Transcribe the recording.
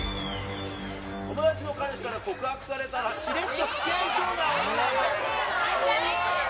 友達の彼氏から告白されたらしれっとつきあいそうな女は？